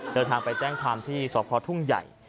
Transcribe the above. เดินทางไปแจ้งความที่สพทุ่งใหญ่